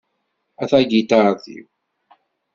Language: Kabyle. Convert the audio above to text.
A tagiṭart-iw...